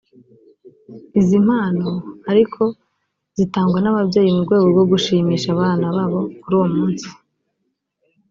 izi mpano ariko zitangwa n’ababyeyi mu rwego rwo gushimisha abana babo kuri uwo munsi